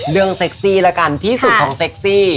เรื่องเซ็กซี่ละกันที่สุดของเซ็กซี่